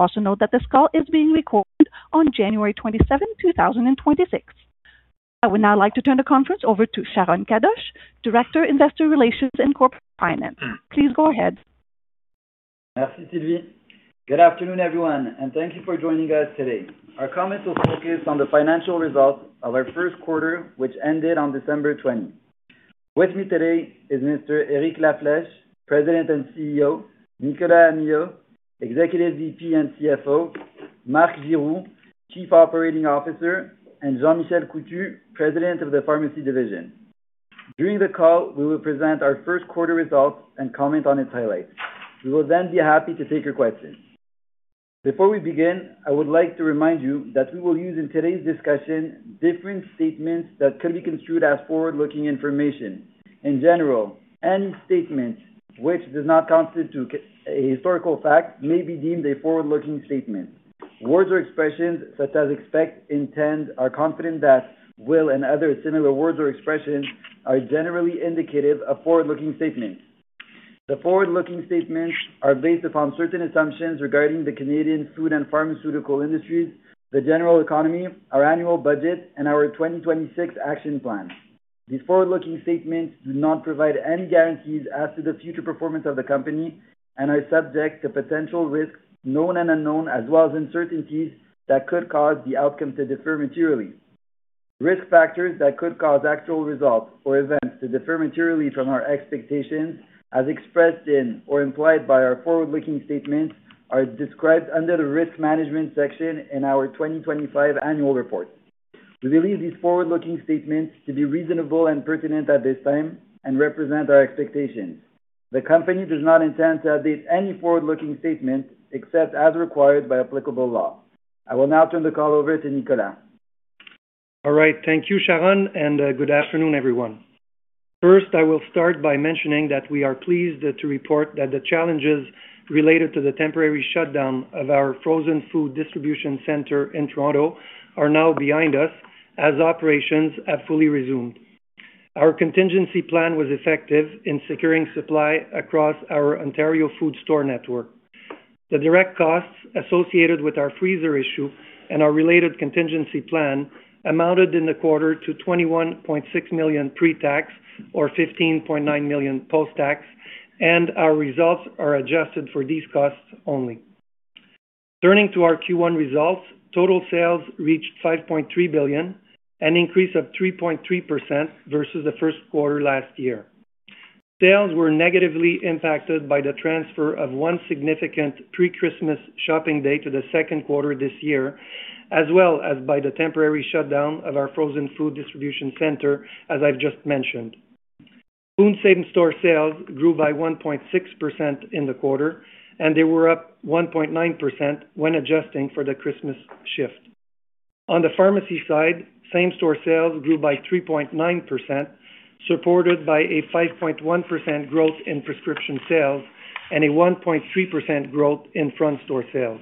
Also note that this call is being recorded on January 27th, 2026. I would now like to turn the conference over to Sharon Kadoche, Director of Investor Relations and Corporate Finance. Please go ahead. Merci, Sylvie. Good afternoon, everyone, and thank you for joining us today. Our comments will focus on the financial results of our first quarter, which ended on December 20. With me today is Mr. Eric La Flèche, President and CEO, Nicolas Amyot, Executive VP and CFO, Marc Giroux, Chief Operating Officer, and Jean-Michel Coutu, President of the Pharmacy Division. During the call, we will present our first quarter results and comment on its highlights. We will then be happy to take your questions. Before we begin, I would like to remind you that we will use, in today's discussion, different statements that can be construed as forward-looking information. In general, any statement which does not constitute a historical fact may be deemed a forward-looking statement. Words or expressions such as expect, intend, are confident that, will, and other similar words or expressions are generally indicative of forward-looking statements. The forward-looking statements are based upon certain assumptions regarding the Canadian food and pharmaceutical industries, the general economy, our annual budget, and our 2026 action plan. These forward-looking statements do not provide any guarantees as to the future performance of the company and are subject to potential risks, known and unknown, as well as uncertainties that could cause the outcome to differ materially. Risk factors that could cause actual results or events to differ materially from our expectations, as expressed in or implied by our forward-looking statements, are described under the Risk Management section in our 2025 annual report. We believe these forward-looking statements to be reasonable and pertinent at this time and represent our expectations. The company does not intend to update any forward-looking statements, except as required by applicable law. I will now turn the call over to Nicolas. All right, thank you, Sharon, and good afternoon, everyone. First, I will start by mentioning that we are pleased to report that the challenges related to the temporary shutdown of our frozen food distribution center in Toronto are now behind us, as operations have fully resumed. Our contingency plan was effective in securing supply across our Ontario food store network. The direct costs associated with our freezer issue and our related contingency plan amounted in the quarter to 21.6 million pre-tax, or 15.9 million post-tax, and our results are adjusted for these costs only. Turning to our Q1 results, total sales reached 5.3 billion, an increase of 3.3% versus the first quarter last year. Sales were negatively impacted by the transfer of one significant pre-Christmas shopping day to the second quarter this year, as well as by the temporary shutdown of our frozen food distribution center, as I've just mentioned. Food same-store sales grew by 1.6% in the quarter, and they were up 1.9% when adjusting for the Christmas shift. On the pharmacy side, same-store sales grew by 3.9%, supported by a 5.1% growth in prescription sales and a 1.3% growth in front-store sales.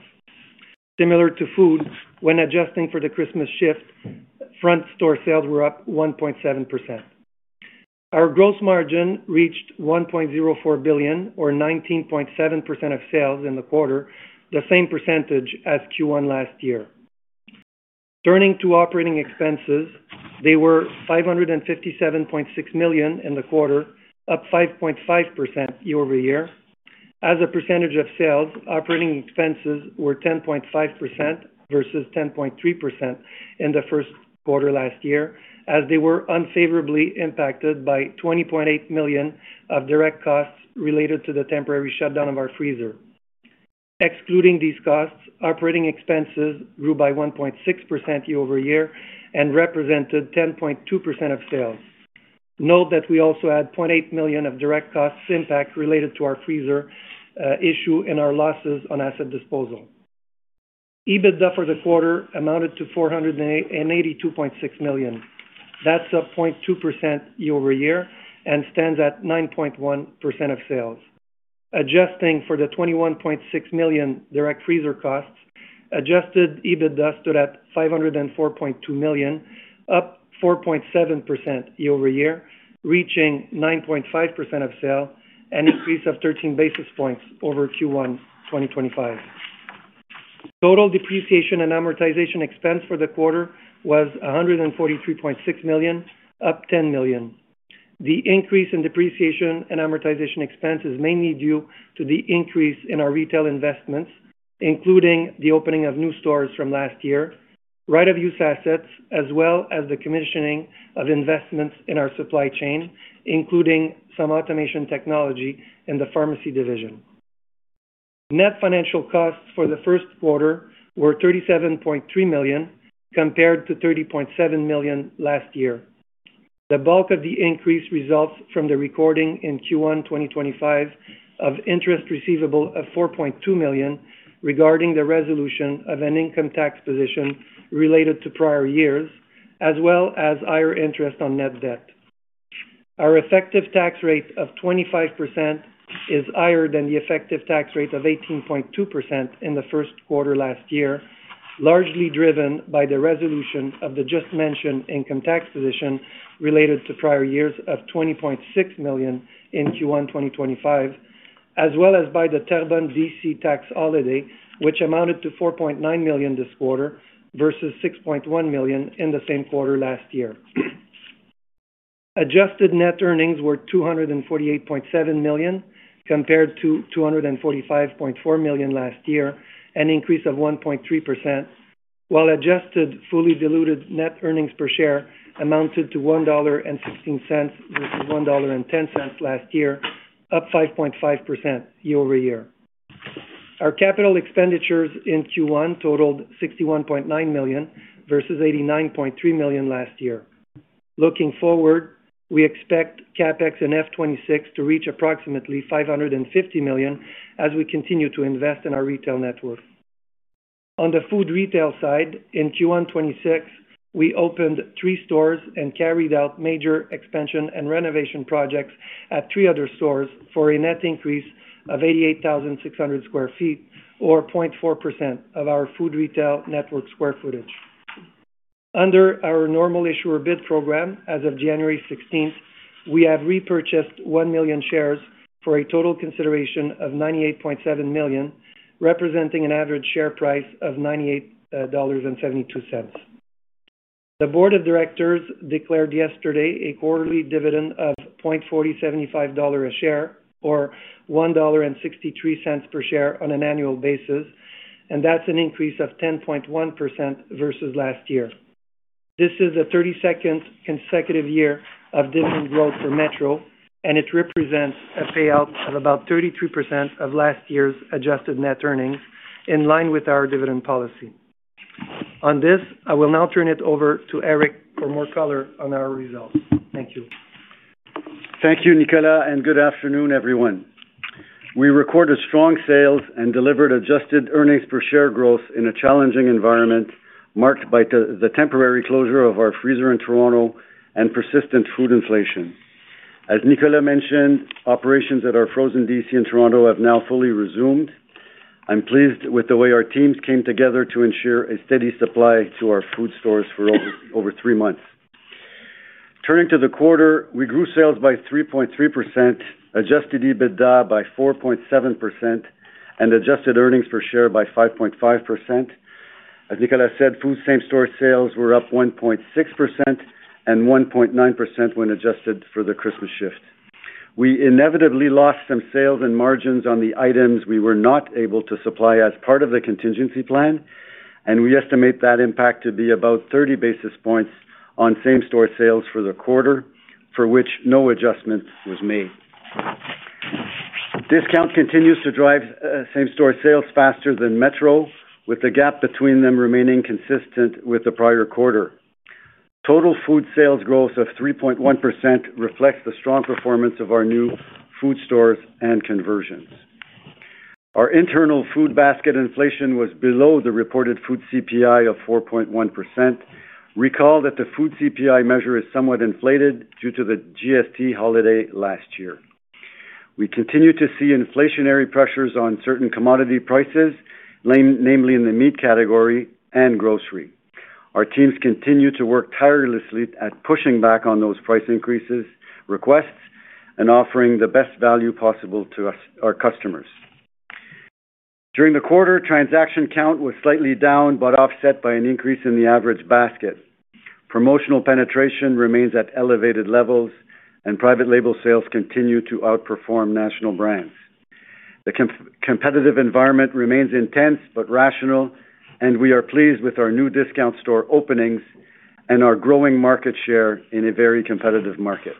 Similar to food, when adjusting for the Christmas shift, front-store sales were up 1.7%. Our gross margin reached 1.04 billion or 19.7% of sales in the quarter, the same percentage as Q1 last year. Turning to operating expenses, they were 557.6 million in the quarter, up 5.5% year-over-year. As a percentage of sales, operating expenses were 10.5% versus 10.3% in the first quarter last year, as they were unfavorably impacted by 20.8 million of direct costs related to the temporary shutdown of our freezer. Excluding these costs, operating expenses grew by 1.6% year-over-year and represented 10.2% of sales. Note that we also had 0.8 million of direct costs impact related to our freezer issue and our losses on asset disposal. EBITDA for the quarter amounted to 482.6 million. That's up 0.2% year-over-year and stands at 9.1% of sales. Adjusting for the 21.6 million direct freezer costs, Adjusted EBITDA stood at 504.2 million, up 4.7% year-over-year, reaching 9.5% of sales, an increase of 13 basis points over Q1 2025. Total depreciation and amortization expense for the quarter was 143.6 million, up 10 million. The increase in depreciation and amortization expenses mainly due to the increase in our retail investments, including the opening of new stores from last year, right-of-use assets, as well as the commissioning of investments in our supply chain, including some automation technology in the pharmacy division. Net financial costs for the first quarter were 37.3 million, compared to 30.7 million last year. The bulk of the increase results from the recording in Q1 2025 of interest receivable of 4.2 million, regarding the resolution of an income tax position related to prior years, as well as higher interest on net debt. Our effective tax rate of 25% is higher than the effective tax rate of 18.2% in the first quarter last year, largely driven by the resolution of the just-mentioned income tax position related to prior years of 20.6 million in Q1 2025, as well as by the Terrebonne DC tax holiday, which amounted to 4.9 million this quarter, versus 6.1 million in the same quarter last year. Adjusted Net Earnings were 248.7 million, compared to 245.4 million last year, an increase of 1.3%, while adjusted fully diluted net earnings per share amounted to 1.16 dollar, versus 1.10 last year, up 5.5% year-over-year. Our capital expenditures in Q1 totaled 61.9 million versus 89.3 million last year. Looking forward, we expect CapEx in F26 to reach approximately 550 million as we continue to invest in our retail network. On the food retail side, in Q1 2026, we opened three stores and carried out major expansion and renovation projects at three other stores for a net increase of 88,600 sq ft, or 0.4% of our food retail network square footage. Under our Normal Issuer Bid program, as of January 16, we have repurchased 1 million shares for a total consideration of 98.7 million, representing an average share price of 98.72 dollars. The board of directors declared yesterday a quarterly dividend of 0.4075 dollars a share, or 1.63 dollar per share on an annual basis, and that's an increase of 10.1% versus last year. This is the 32nd consecutive year of dividend growth for Metro, and it represents a payout of about 33% of last year's Adjusted Net Earnings, in line with our dividend policy. On this, I will now turn it over to Eric for more color on our results. Thank you. Thank you, Nicolas, and good afternoon, everyone. We recorded strong sales and delivered adjusted earnings per share growth in a challenging environment marked by the temporary closure of our freezer in Toronto and persistent food inflation. As Nicolas mentioned, operations at our frozen DC in Toronto have now fully resumed. I'm pleased with the way our teams came together to ensure a steady supply to our food stores for over three months. Turning to the quarter, we grew sales by 3.3%, Adjusted EBITDA by 4.7%, and adjusted earnings per share by 5.5%. As Nicolas said, food same-store sales were up 1.6% and 1.9% when adjusted for the Christmas shift. We inevitably lost some sales and margins on the items we were not able to supply as part of the contingency plan, and we estimate that impact to be about 30 basis points on same-store sales for the quarter, for which no adjustment was made. Discount continues to drive same-store sales faster than Metro, with the gap between them remaining consistent with the prior quarter. Total food sales growth of 3.1% reflects the strong performance of our new food stores and conversions. Our internal food basket inflation was below the reported food CPI of 4.1%. Recall that the food CPI measure is somewhat inflated due to the GST holiday last year. We continue to see inflationary pressures on certain commodity prices, namely in the meat category and grocery. Our teams continue to work tirelessly at pushing back on those price increases, requests, and offering the best value possible to our customers. During the quarter, transaction count was slightly down, but offset by an increase in the average basket. Promotional penetration remains at elevated levels, and private label sales continue to outperform national brands. The competitive environment remains intense but rational, and we are pleased with our new discount store openings and our growing market share in a very competitive market.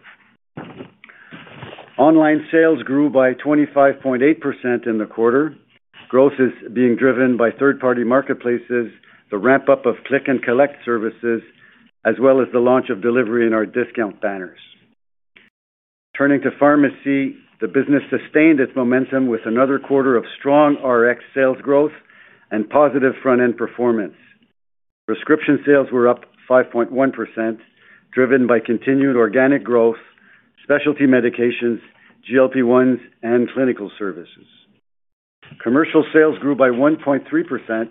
Online sales grew by 25.8% in the quarter. Growth is being driven by third-party marketplaces, the ramp-up of click-and-collect services, as well as the launch of delivery in our discount banners. Turning to pharmacy, the business sustained its momentum with another quarter of strong Rx sales growth and positive front-end performance. Prescription sales were up 5.1%, driven by continued organic growth, specialty medications, GLP-1s, and clinical services. Commercial sales grew by 1.3%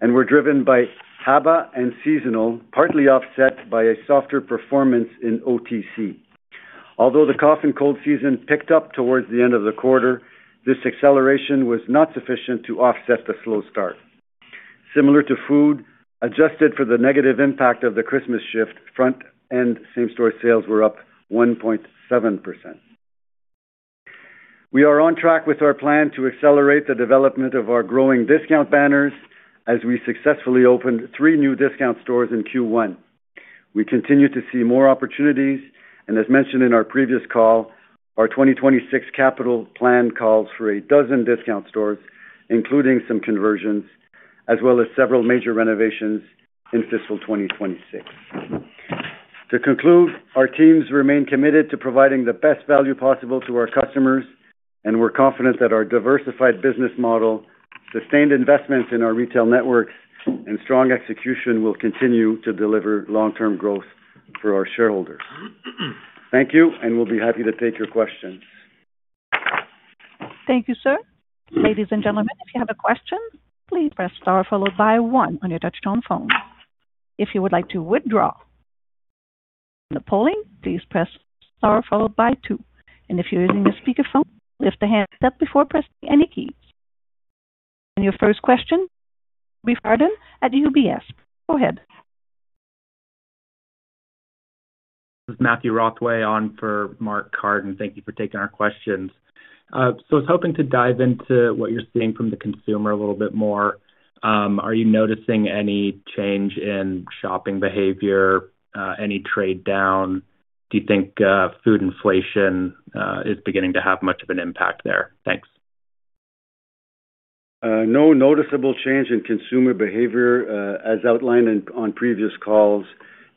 and were driven by HABA and seasonal, partly offset by a softer performance in OTC. Although the cough and cold season picked up towards the end of the quarter, this acceleration was not sufficient to offset the slow start. Similar to food, adjusted for the negative impact of the Christmas shift, front-end same-store sales were up 1.7%. We are on track with our plan to accelerate the development of our growing discount banners as we successfully opened 3 new discount stores in Q1. We continue to see more opportunities, and as mentioned in our previous call, our 2026 capital plan calls for a dozen discount stores, including some conversions, as well as several major renovations in fiscal 2026. To conclude, our teams remain committed to providing the best value possible to our customers, and we're confident that our diversified business model, sustained investment in our retail networks, and strong execution will continue to deliver long-term growth for our shareholders. Thank you, and we'll be happy to take your questions. Thank you, sir. Ladies and gentlemen, if you have a question, please press star followed by one on your touchtone phone. If you would like to withdraw from the polling, please press star followed by two, and if you're using a speakerphone, lift the handset before pressing any keys. And your first question, Mark Carden at UBS. Go ahead. This is Matthew Rothway on for Mark Carden. Thank you for taking our questions. So I was hoping to dive into what you're seeing from the consumer a little bit more. Are you noticing any change in shopping behavior, any trade down? Do you think food inflation is beginning to have much of an impact there? Thanks. No noticeable change in consumer behavior. As outlined on previous calls,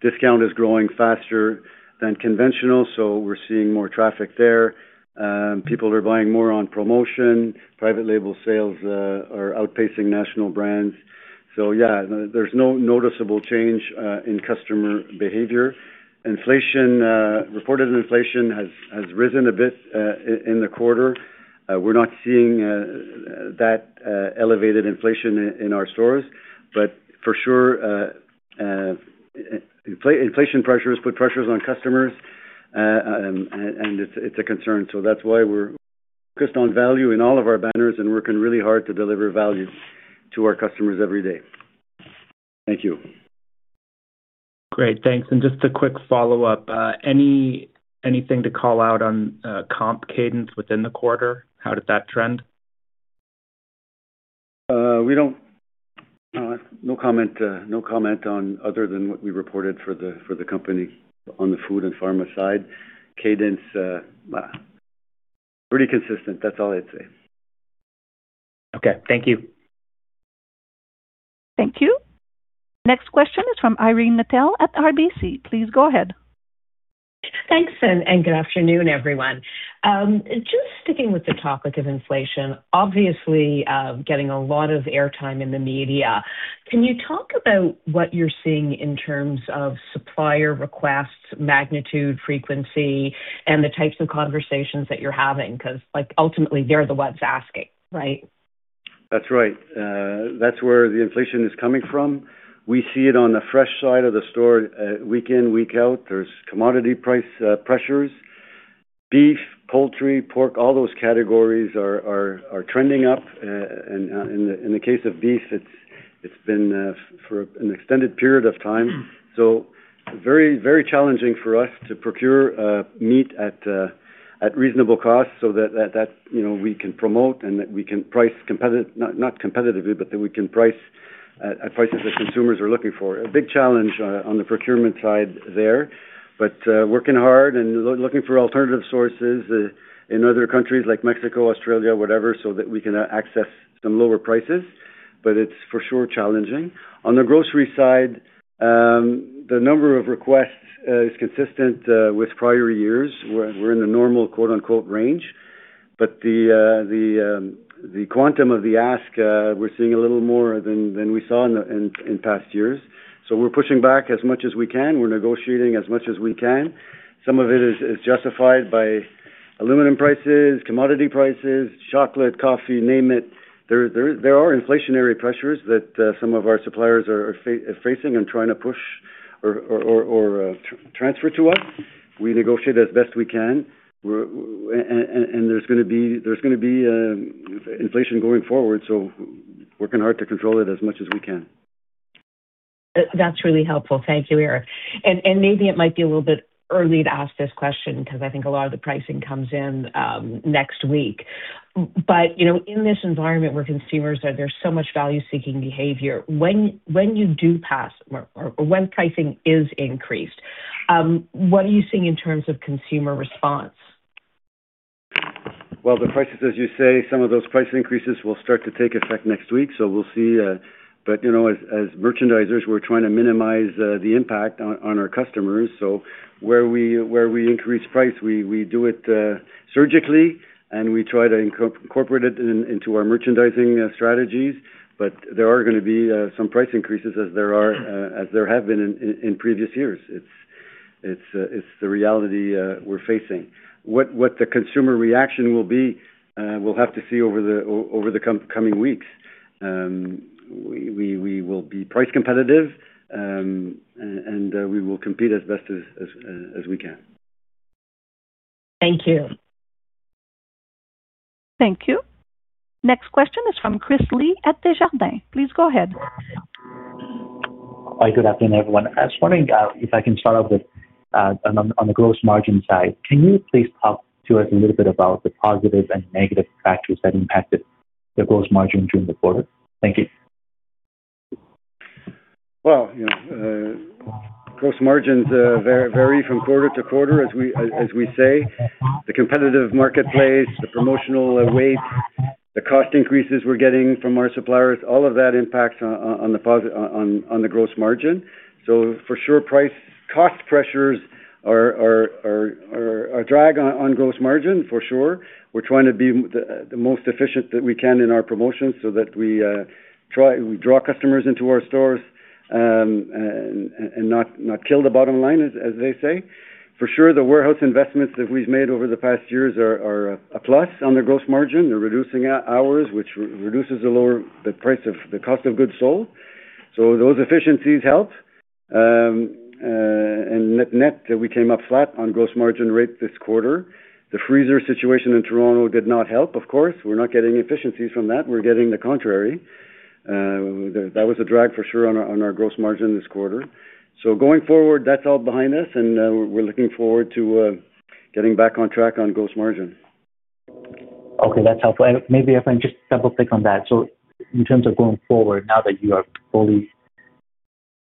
discount is growing faster than conventional, so we're seeing more traffic there. People are buying more on promotion. Private label sales are outpacing national brands. So yeah, there's no noticeable change in customer behavior. Inflation, reported inflation has risen a bit in the quarter. We're not seeing that elevated inflation in our stores, but for sure, inflation pressures put pressures on customers, and it's a concern. So that's why we're focused on value in all of our banners and working really hard to deliver value to our customers every day. Thank you. Great, thanks. Just a quick follow-up. Anything to call out on comp cadence within the quarter? How did that trend? We don't. No comment on other than what we reported for the company on the food and pharma side. Cadence pretty consistent. That's all I'd say. Okay, thank you. Thank you. Next question is from Irene Nattel at RBC. Please go ahead. Thanks, and good afternoon, everyone. Just sticking with the topic of inflation, obviously, getting a lot of airtime in the media, can you talk about what you're seeing in terms of supplier requests, magnitude, frequency, and the types of conversations that you're having? 'Cause, like, ultimately, they're the ones asking, right? That's right. That's where the inflation is coming from. We see it on the fresh side of the store, week in, week out. There's commodity price pressures. Beef, poultry, pork, all those categories are trending up, and in the case of beef, it's been for an extended period of time. So very, very challenging for us to procure meat at reasonable cost so that, you know, we can promote and that we can price not competitively, but that we can price at prices that consumers are looking for. A big challenge on the procurement side there, but working hard and looking for alternative sources in other countries like Mexico, Australia, whatever, so that we can access some lower prices, but it's for sure challenging. On the grocery side, the number of requests is consistent with prior years. We're in a normal quote, unquote, "range," but the quantum of the ask, we're seeing a little more than we saw in past years. So we're pushing back as much as we can. We're negotiating as much as we can. Some of it is justified by aluminum prices, commodity prices, chocolate, coffee, name it. There are inflationary pressures that some of our suppliers are facing and trying to push or transfer to us. We negotiate as best we can. And there's gonna be inflation going forward, so working hard to control it as much as we can. That's really helpful. Thank you, Eric. Maybe it might be a little bit early to ask this question, 'cause I think a lot of the pricing comes in next week. But you know, in this environment where consumers are, there's so much value-seeking behavior, when you do pass or when pricing is increased, what are you seeing in terms of consumer response? Well, the prices, as you say, some of those price increases will start to take effect next week, so we'll see, but, you know, as merchandisers, we're trying to minimize the impact on our customers. So where we increase price, we do it surgically, and we try to incorporate it into our merchandising strategies, but there are gonna be some price increases as there are, as there have been in previous years. It's the reality we're facing. What the consumer reaction will be, we'll have to see over the coming weeks. We will be price competitive, and we will compete as best as we can. Thank you. Thank you. Next question is from Chris Li at Desjardins. Please go ahead. Hi, good afternoon, everyone. I was wondering if I can start off with, on the gross margin side. Can you please talk to us a little bit about the positive and negative factors that impacted the gross margin during the quarter? Thank you. Well, you know, gross margins vary from quarter to quarter, as we say. The competitive marketplace, the promotional weight, the cost increases we're getting from our suppliers, all of that impacts on the gross margin. So for sure, price-cost pressures are a drag on gross margin, for sure. We're trying to be the most efficient that we can in our promotions so that we try to draw customers into our stores and not kill the bottom line, as they say. For sure, the warehouse investments that we've made over the past years are a plus on the gross margin. They're reducing labor hours, which reduces labor, the price of the cost of goods sold. So those efficiencies helped. Net, net, we came up flat on gross margin rate this quarter. The freezer situation in Toronto did not help, of course. We're not getting any efficiencies from that. We're getting the contrary. That was a drag for sure on our, on our gross margin this quarter. So going forward, that's all behind us and, we're, we're looking forward to, getting back on track on gross margin. Okay, that's helpful. And maybe if I just double-click on that. So in terms of going forward, now that you are fully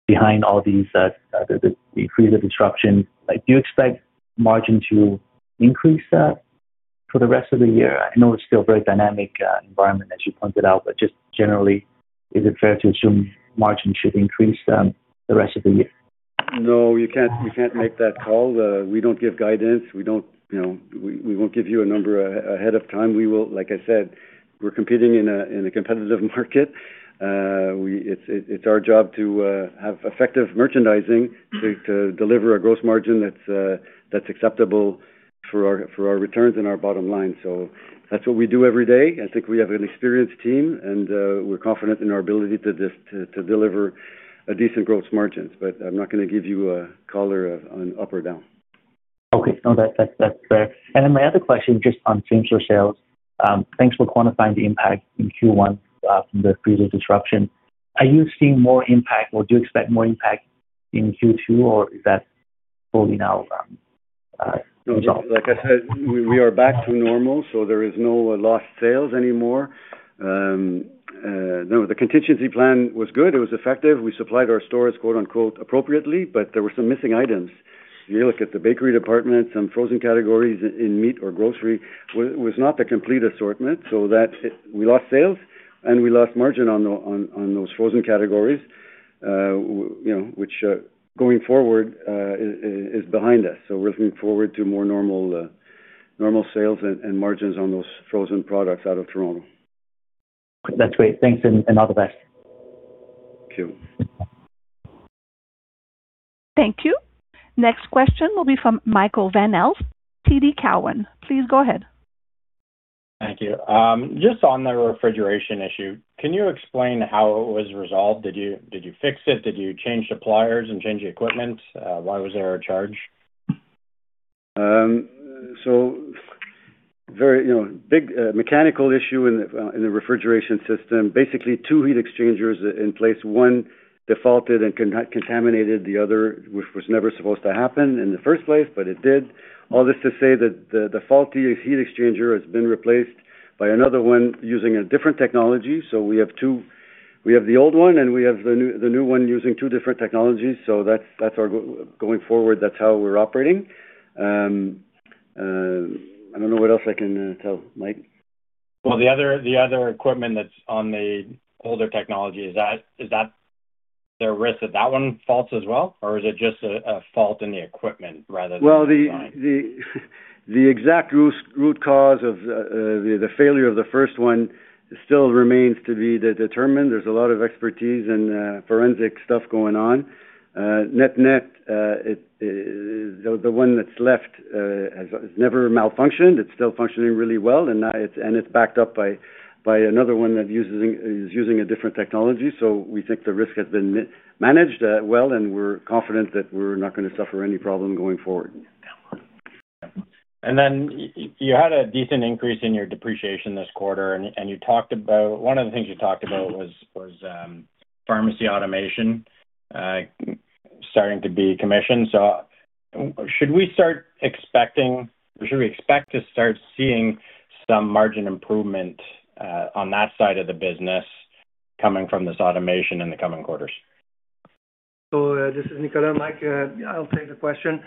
behind all these, the freezer disruption, like, do you expect margin to increase for the rest of the year? I know it's still a very dynamic environment, as you pointed out, but just generally, is it fair to assume margin should increase the rest of the year? No, you can't, you can't make that call. We don't give guidance. We don't, you know, we won't give you a number ahead of time. We will—like I said, we're competing in a competitive market. It's our job to have effective merchandising to deliver a gross margin that's acceptable for our returns and our bottom line. So that's what we do every day. I think we have an experienced team, and we're confident in our ability to deliver decent gross margins. But I'm not gonna give you a color on up or down. Okay. No, that's fair. And then my other question, just on same-store sales. Thanks for quantifying the impact in Q1 from the freezer disruption. Are you seeing more impact or do you expect more impact in Q2, or is that fully now resolved? Like I said, we, we are back to normal, so there is no lost sales anymore. No, the contingency plan was good. It was effective. We supplied our stores, quote, unquote, "appropriately," but there were some missing items. You look at the bakery department, some frozen categories in meat or grocery, was not the complete assortment, so that we lost sales, and we lost margin on those frozen categories, you know, which, going forward, is behind us. So we're looking forward to more normal, normal sales and, and margins on those frozen products out of Toronto. That's great. Thanks, and all the best. Thank you. Thank you. Next question will be from Michael Van Aelst, TD Cowen. Please go ahead. Thank you. Just on the refrigeration issue, can you explain how it was resolved? Did you, did you fix it? Did you change suppliers and change the equipment? Why was there a charge? So very, you know, big mechanical issue in the refrigeration system. Basically, two heat exchangers in place, one defaulted and contaminated the other, which was never supposed to happen in the first place, but it did. All this to say that the defaulty heat exchanger has been replaced by another one using a different technology. So we have two. We have the old one, and we have the new, the new one using two different technologies. So that's, that's our going forward, that's how we're operating. I don't know what else I can tell, Mike. Well, the other equipment that's on the older technology, is there a risk that that one faults as well? Or is it just a fault in the equipment rather than- Well, the exact root cause of the failure of the first one still remains to be determined. There's a lot of expertise and forensic stuff going on. Net, it, the one that's left has never malfunctioned. It's still functioning really well, and it's backed up by another one that is using a different technology. So we think the risk has been managed well, and we're confident that we're not gonna suffer any problem going forward. Then you had a decent increase in your depreciation this quarter, and you talked about one of the things you talked about was pharmacy automation starting to be commissioned. So should we start expecting, or should we expect to start seeing some margin improvement on that side of the business coming from this automation in the coming quarters? So, this is Nicolas, Mike, I'll take the question.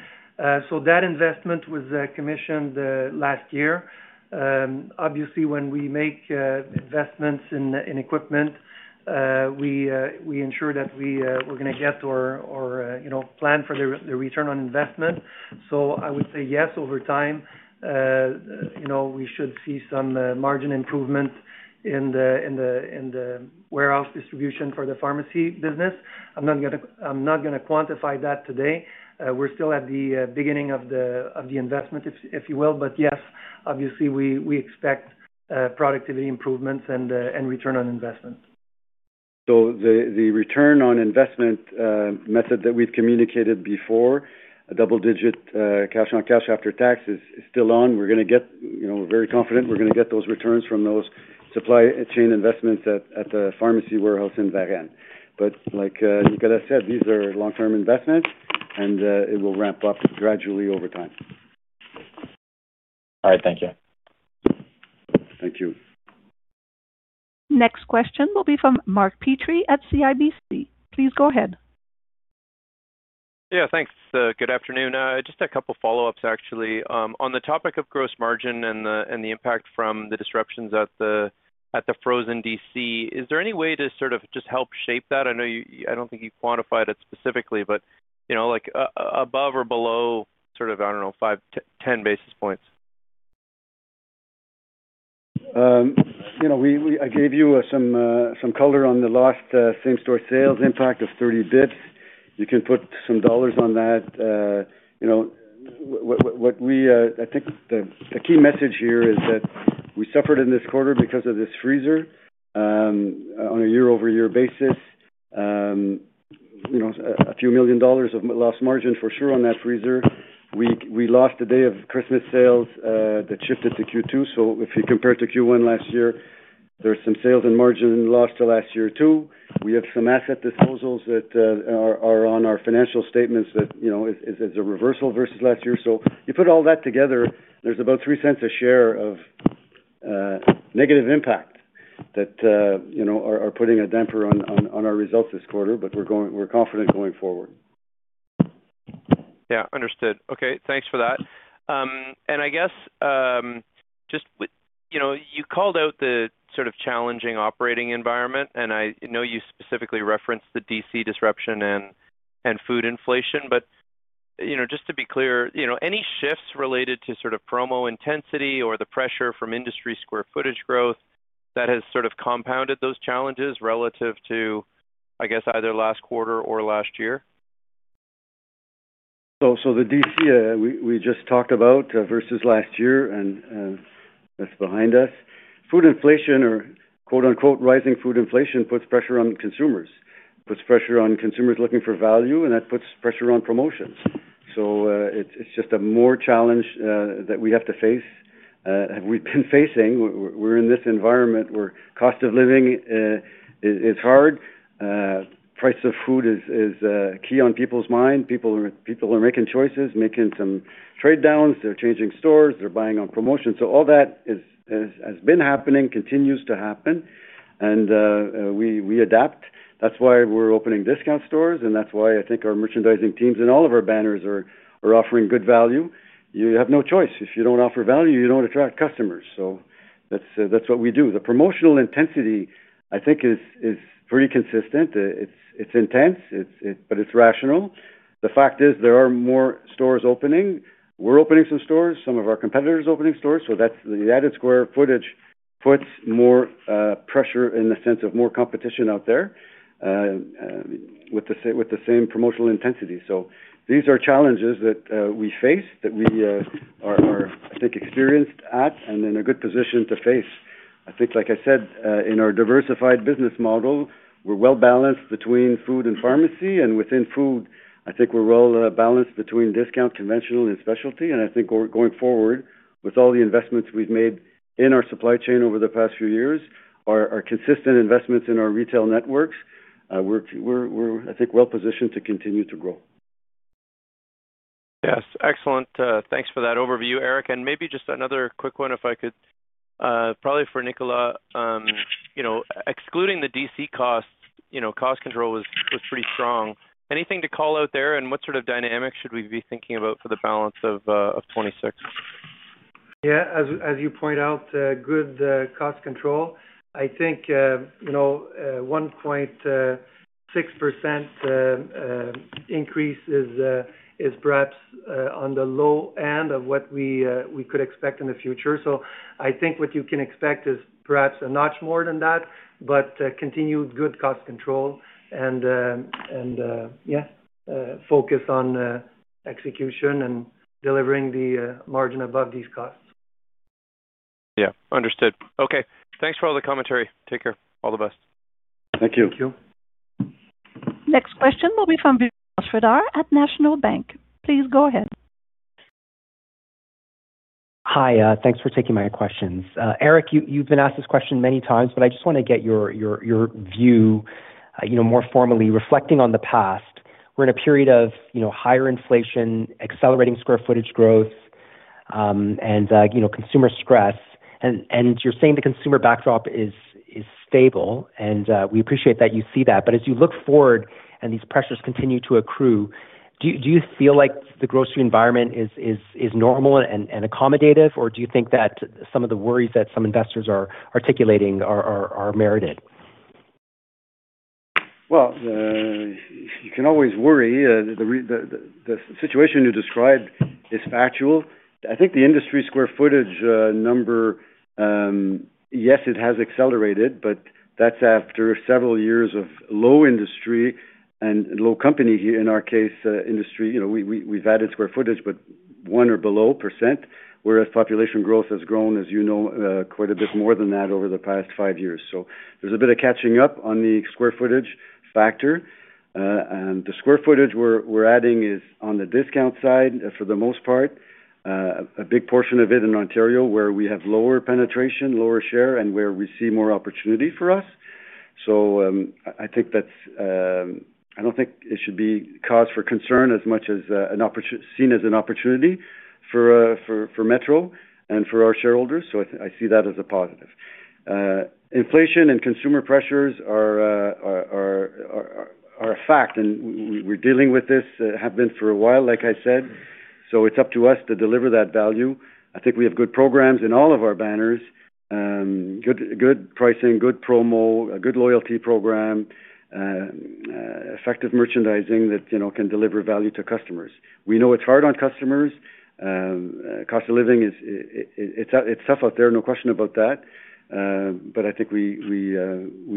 So that investment was commissioned last year. Obviously, when we make investments in equipment, we ensure that we're gonna get or, you know, plan for the return on investment. So I would say yes, over time, you know, we should see some margin improvement in the warehouse distribution for the pharmacy business. I'm not gonna quantify that today. We're still at the beginning of the investment, if you will. But yes, obviously, we expect productivity improvements and return on investment. So the return on investment method that we've communicated before, a double digit cash-on-cash after tax, is still on. We're gonna get, you know, we're very confident we're gonna get those returns from those supply chain investments at the pharmacy warehouse in Varennes. But like, Nicolas said, these are long-term investments, and it will ramp up gradually over time. All right. Thank you. Thank you. Next question will be from Mark Petrie at CIBC. Please go ahead. Yeah, thanks. Good afternoon. Just a couple follow-ups, actually. On the topic of gross margin and the impact from the disruptions at the frozen DC, is there any way to sort of just help shape that? I know you, I don't think you quantified it specifically, but, you know, like, above or below, sort of, I don't know, 5-10 basis points. You know, we-- I gave you some color on the last same-store sales impact of 30 basis points. You can put some dollars on that. You know, what we, I think the key message here is that we suffered in this quarter because of this freezer on a year-over-year basis. You know, a few million dollars of lost margin for sure on that freezer. We lost a day of Christmas sales that shifted to Q2. So if you compare it to Q1 last year, there's some sales and margin lost to last year, too. We have some asset disposals that are on our financial statements that, you know, it's a reversal versus last year. So you put all that together, there's about 0.03 per share of negative impact that, you know, are putting a damper on our results this quarter, but we're going, we're confident going forward. Yeah, understood. Okay, thanks for that. And I guess, just with, you know, you called out the sort of challenging operating environment, and I know you specifically referenced the DC disruption and food inflation. But, you know, just to be clear, you know, any shifts related to sort of promo intensity or the pressure from industry square footage growth that has sort of compounded those challenges relative to, I guess, either last quarter or last year? So the DC we just talked about versus last year, and that's behind us. Food inflation or quote, unquote, "rising food inflation" puts pressure on consumers. Puts pressure on consumers looking for value, and that puts pressure on promotions. So it's just a more challenge that we have to face, have we been facing. We're in this environment where cost of living is hard. Price of food is key on people's mind. People are making choices, making some trade downs, they're changing stores, they're buying on promotions. So all that is has been happening, continues to happen, and we adapt. That's why we're opening discount stores, and that's why I think our merchandising teams in all of our banners are offering good value. You have no choice. If you don't offer value, you don't attract customers. So that's, that's what we do. The promotional intensity, I think, is pretty consistent. It's intense, but it's rational. The fact is, there are more stores opening. We're opening some stores, some of our competitors are opening stores, so that's the added square footage puts more pressure in the sense of more competition out there with the same promotional intensity. So these are challenges that we face that we are, I think, experienced at and in a good position to face. I think, like I said, in our diversified business model, we're well-balanced between food and pharmacy, and within food, I think we're well balanced between discount, conventional, and specialty. I think going forward, with all the investments we've made in our supply chain over the past few years, our consistent investments in our retail networks, we're well positioned to continue to grow. Yes. Excellent. Thanks for that overview, Eric. Maybe just another quick one, if I could, probably for Nicolas. You know, excluding the DC costs, you know, cost control was, was pretty strong. Anything to call out there, and what sort of dynamics should we be thinking about for the balance of, of 2026? Yeah, as you point out, good cost control. I think, you know, 1.6% increase is perhaps on the low end of what we could expect in the future. So I think what you can expect is perhaps a notch more than that, but continued good cost control and yeah focus on execution and delivering the margin above these costs. Yeah, understood. Okay, thanks for all the commentary. Take care. All the best. Thank you. Thank you. Next question will be from Vishal Shreedhar at National Bank. Please go ahead. Hi, thanks for taking my questions. Eric, you've been asked this question many times, but I just wanna get your view, you know, more formally reflecting on the past. We're in a period of, you know, higher inflation, accelerating square footage growth, and, you know, consumer stress. And you're saying the consumer backdrop is stable, and we appreciate that you see that. But as you look forward and these pressures continue to accrue, do you feel like the grocery environment is normal and accommodative, or do you think that some of the worries that some investors are articulating are merited? Well, you can always worry. The situation you described is factual. I think the industry square footage number, yes, it has accelerated, but that's after several years of low industry and low company. In our case, industry, you know, we've added square footage, but 1% or below, whereas population growth has grown, as you know, quite a bit more than that over the past five years. So there's a bit of catching up on the square footage factor. And the square footage we're adding is on the discount side, for the most part. A big portion of it in Ontario, where we have lower penetration, lower share, and where we see more opportunity for us. So, I think that's- I don't think it should be cause for concern as much as an opportunity for Metro and for our shareholders, so I see that as a positive. Inflation and consumer pressures are a fact, and we're dealing with this, have been for a while, like I said. So it's up to us to deliver that value. I think we have good programs in all of our banners, good pricing, good promo, a good loyalty program, effective merchandising that, you know, can deliver value to customers. We know it's hard on customers. Cost of living is tough out there, no question about that. But I think we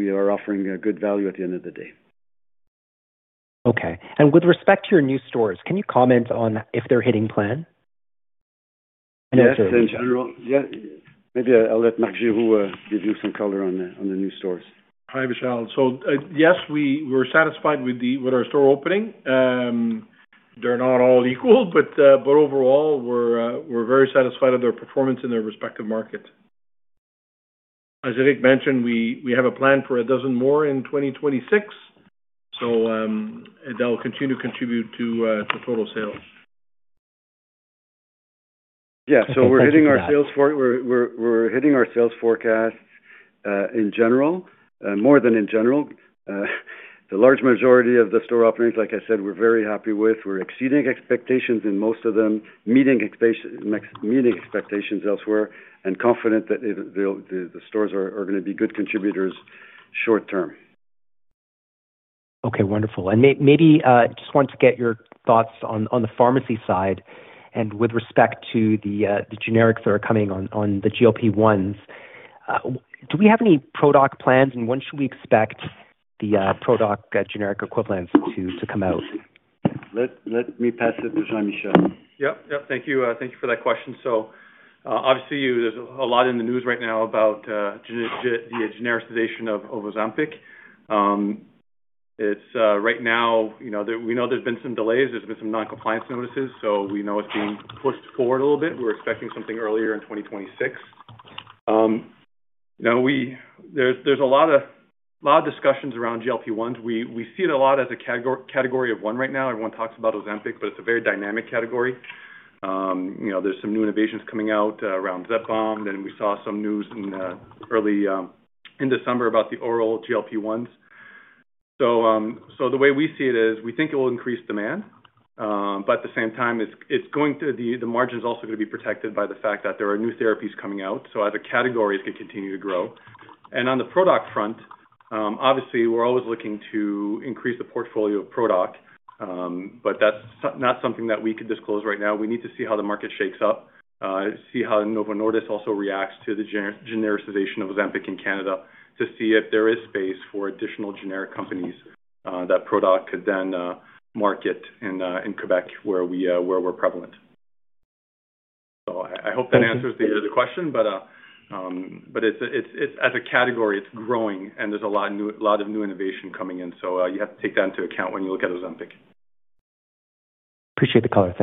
are offering a good value at the end of the day. Okay. With respect to your new stores, can you comment on if they're hitting plan? Yes, in general. Yeah, maybe I'll let Marc and Jean, who give you some color on the new stores. Hi, Vishal. So, yes, we're satisfied with our store opening. They're not all equal, but overall, we're very satisfied with their performance in their respective market. As Eric mentioned, we have a plan for a dozen more in 2026, so that will continue to contribute to total sales. Yeah. So we're hitting our sales forecasts in general, more than in general. The large majority of the store openings, like I said, we're very happy with. We're exceeding expectations in most of them, meeting expectations elsewhere, and confident that the stores are gonna be good contributors short term. Okay, wonderful. And maybe just want to get your thoughts on the pharmacy side and with respect to the generics that are coming on the GLP-1s. Do we have any product plans, and when should we expect the product generic equivalents to come out? Let me pass it to Jean-Michel. Yep, yep. Thank you. Thank you for that question. So, obviously, there's a lot in the news right now about the genericization of Ozempic. It's right now, you know, there. We know there's been some delays, there's been some non-compliance notices, so we know it's being pushed forward a little bit. We're expecting something earlier in 2026. Now, we - there's a lot of discussions around GLP-1s. We see it a lot as a category of one right now. Everyone talks about Ozempic, but it's a very dynamic category. You know, there's some new innovations coming out around Zepbound, and we saw some news in early in December about the oral GLP-1s. So the way we see it is, we think it will increase demand, but at the same time, it's going to be the margin is also gonna be protected by the fact that there are new therapies coming out, so as a category, it could continue to grow. And on the product front, obviously, we're always looking to increase the portfolio of product, but that's not something that we could disclose right now. We need to see how the market shapes up, see how Novo Nordisk also reacts to the genericization of Ozempic in Canada, to see if there is space for additional generic companies, that product could then market in in Quebec, where we, where we're prevalent. So I hope that answers the question, but it's, as a category, it's growing, and there's a lot of new innovation coming in. So you have to take that into account when you look at Ozempic. Appreciate the color.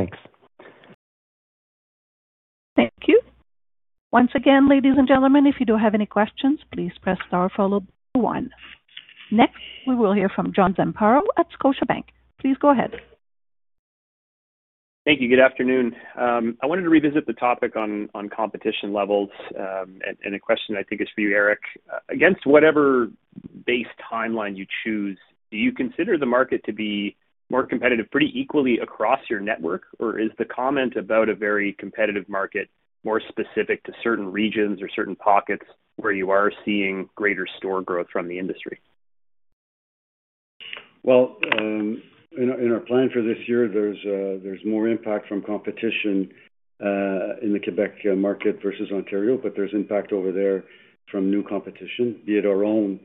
Thanks. Thank you. Once again, ladies and gentlemen, if you do have any questions, please press star followed by one. Next, we will hear from John Zamparo at Scotiabank. Please go ahead. Thank you. Good afternoon. I wanted to revisit the topic on competition levels, and a question I think is for you, Eric. Against whatever base timeline you choose, do you consider the market to be more competitive, pretty equally across your network? Or is the comment about a very competitive market, more specific to certain regions or certain pockets, where you are seeing greater store growth from the industry? Well, in our plan for this year, there's more impact from competition in the Quebec market versus Ontario, but there's impact over there from new competition, be it our own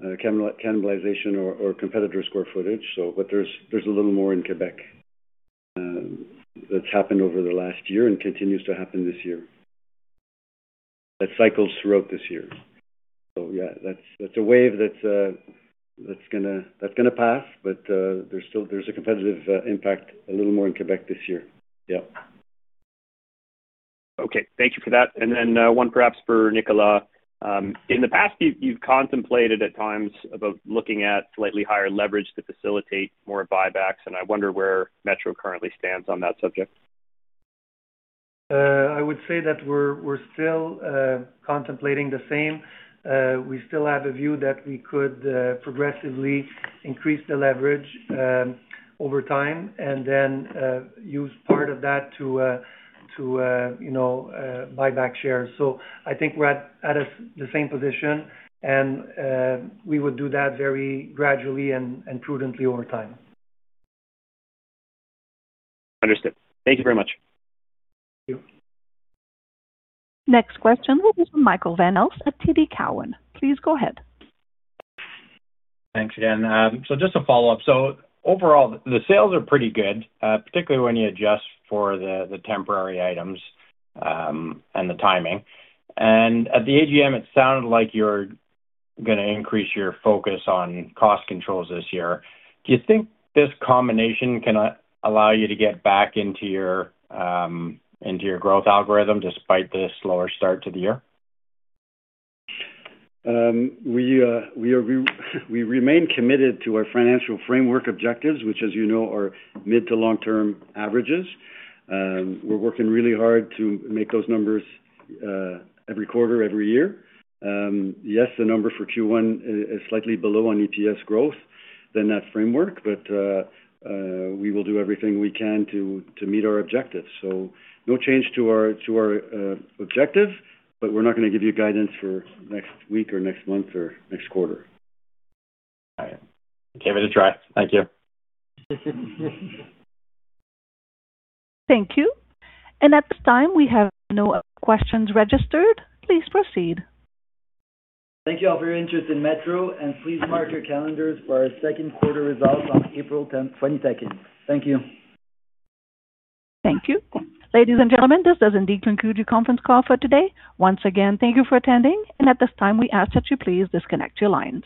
cannibalization or competitor square footage. So, but there's a little more in Quebec that's happened over the last year and continues to happen this year. It cycles throughout this year. So yeah, that's a wave that's gonna pass, but there's still a competitive impact, a little more in Quebec this year. Yep. Okay, thank you for that. And then, one perhaps for Nicolas. In the past, you've contemplated at times about looking at slightly higher leverage to facilitate more buybacks, and I wonder where Metro currently stands on that subject. I would say that we're still contemplating the same. We still have a view that we could progressively increase the leverage over time, and then use part of that to you know buy back shares. So I think we're at the same position, and we would do that very gradually and prudently over time. Understood. Thank you very much. Thank you. Next question is from Michael Van Aelst at TD Cowen. Please go ahead. Thanks again. So just a follow-up. So overall, the sales are pretty good, particularly when you adjust for the temporary items, and the timing. And at the AGM, it sounded like you're gonna increase your focus on cost controls this year. Do you think this combination can allow you to get back into your growth algorithm despite this slower start to the year? We remain committed to our financial framework objectives, which, as you know, are mid- to long-term averages. We're working really hard to make those numbers every quarter, every year. Yes, the number for Q1 is slightly below on EPS growth than that framework, but we will do everything we can to meet our objectives. So no change to our objective, but we're not gonna give you guidance for next week or next month or next quarter. All right. Okay. Give it a try. Thank you. Thank you. At this time, we have no other questions registered. Please proceed. Thank you all for your interest in Metro, and please mark your calendars for our second quarter results on April 10, 2026. Thank you. Thank you. Ladies and gentlemen, this does indeed conclude your conference call for today. Once again, thank you for attending, and at this time, we ask that you please disconnect your line.